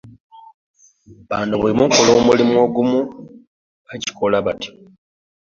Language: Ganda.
Banno bwe mukola omulimu ogumu bakikola batya?